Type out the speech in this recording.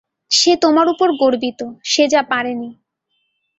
সে তোমার উপর গর্বিত, সে যা পারেনি।